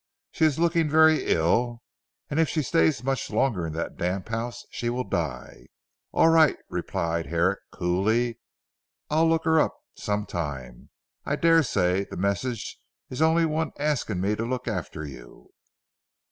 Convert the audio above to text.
She is looking very ill and if she stays much longer in that damp house she will die." "All right," replied Herrick coolly, "I'll look her up some time. I daresay the message is only one asking me to look after you."